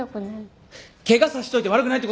ケガさしといて悪くないってことないだろ。